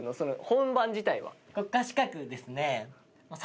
国家資格ですね。